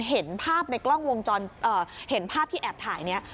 เห็นภาพในกล้องวงจรเห็นภาพที่แอบถ่ายนี้